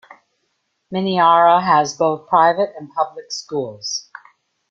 Miniara has both private and public schools.